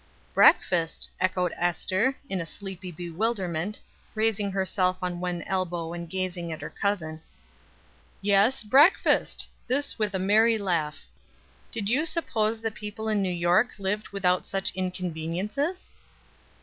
"Breakfast!" echoed Ester, in a sleepy bewilderment, raising herself on one elbow, and gazing at her cousin. "Yes, breakfast!" this with a merry laugh "Did you suppose that people in New York lived without such inconveniences?"